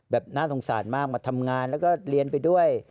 น่าสงสารมากมาทำงานแล้วก็เรียนไปด้วย